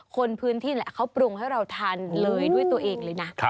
คนพื้นที่แหละเขาปรุงให้เราทานเลยด้วยตัวเองเลยนะ